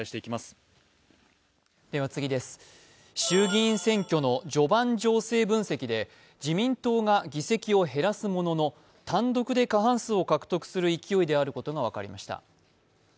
衆議院選挙の序盤情勢分析で自民党が議席を減らすものの、単独で過半数を獲得する勢いであることが分かりました。